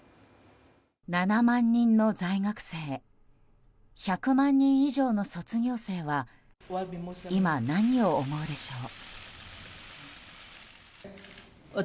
７万人の在学生１００万人以上の卒業生は今、何を思うでしょう。